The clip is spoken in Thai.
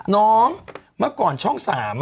น้องเมื่อก่อนช่อง๓อะ